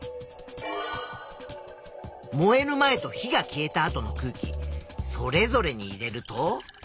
燃える前と火が消えた後の空気それぞれに入れると。